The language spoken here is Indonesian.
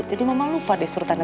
jadi mama lupa deh surutan